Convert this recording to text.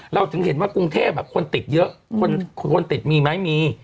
เราถึงเห็นว่ากรุงเทพคนติดเยอะคนติดมีไหมมี